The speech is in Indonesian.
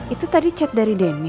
itu tadi chat dari denny